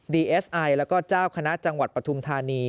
ดีเอสไอแล้วก็เจ้าคณะจังหวัดปฐุมธานี